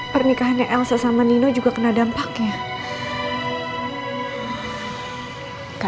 pernikahannya elsa sama nino juga kena dampaknya